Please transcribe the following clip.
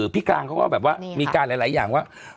กลางเขาก็แบบว่ามีการหลายอย่างว่า